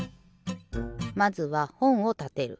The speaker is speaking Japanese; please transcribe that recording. まずはほんをたてる。